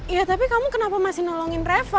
ya tapi kamu kenapa masih nolongin reva